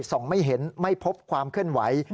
ไม่เห็นไม่พบความเคลื่อนไหว